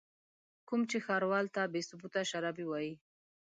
کوم چې ښاروال ته بې ثبوته شرابي وايي.